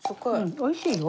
おいしいよ。